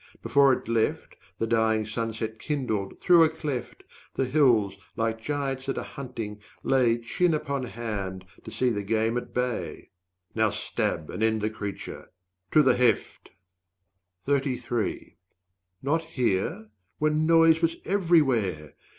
before it left, The dying sunset kindled through a cleft; The hills, like giants at a hunting, lay, 190 Chin upon hand, to see the game at bay "Now stab and end the creature to the heft!" Not hear? when noise was everywhere!